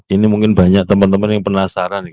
ini mungkin banyak teman teman yang penasaran